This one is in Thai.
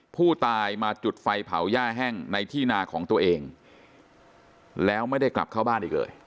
ผู้ตายมาจุดไฟเผาย่าแห้งในที่นาของตัวเองแล้วไม่ได้กลับเข้าบ้านอีกเลย